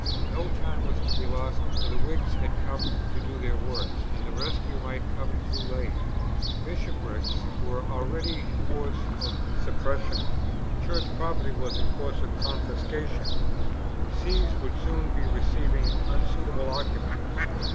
No time was to be lost, for the Whigs had come to do their worst, and the rescue might come too late. Bishopricks were already in course of suppression; Church property was in course of confiscation; Sees would soon be receiving unsuitable occupants.